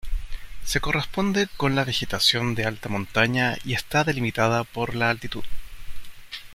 Se corresponde con la vegetación de alta montaña y está delimitada por la altitud.